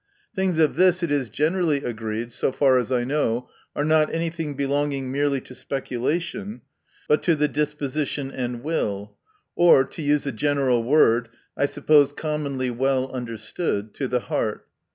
Things of this sort, it is generally agreed, so far as I know, are not any thing belonging merely to speculation ; but to the disposition and will, or (to use a general word, I suppose commonly well understood) the heart.